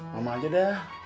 mama aja dah